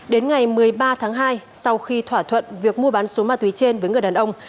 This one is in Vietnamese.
đến ngày một mươi ba tháng hai sau khi thỏa thuận việc mua bán số ma túy trên với người đàn ông